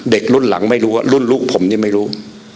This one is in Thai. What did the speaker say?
เด็กรุ่นหลังไม่รู้ว่ารุ่นลูกผมยังไม่รู้